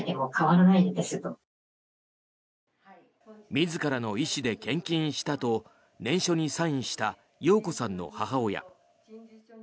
自らの意思で献金したと念書にサインした容子さんの母親。